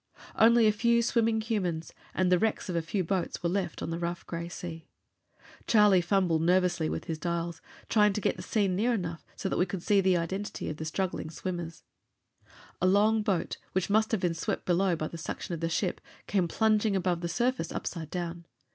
Only a few swimming humans, and the wrecks of a few boats, were left on the rough gray sea. Charlie fumbled nervously with his dials, trying to get the scene near enough so that we could see the identity of the struggling swimmers. A long boat, which must have been swept below by the suction of the ship, came plunging above the surface, upside down.